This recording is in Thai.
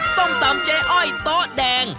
ส้มตำเจ๊อ้อยโต๊ะแดง